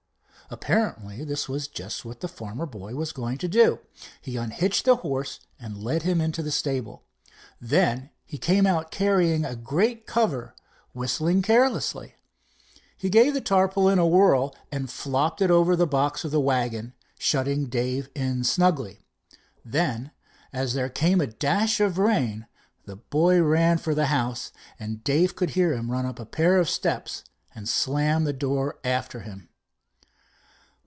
Apparently this was just what the farmer boy was going to do. He unhitched the horse and led him into the stable. Then he came out carrying a great cover, whistling carelessly. He gave the tarpaulin a whirl, and it flopped over the box of the wagon, shutting Dave in snugly. Then, as there came a dash of rain, the boy ran for the house, and Dave could hear him run up a pair of steps and slam a door after him.